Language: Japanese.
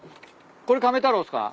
これカメ太郎っすか？